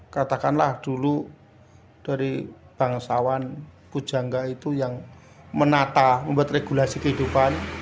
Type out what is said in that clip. katakanlah dulu dari bangsawan kujangga itu yang menata membuat regulasi kehidupan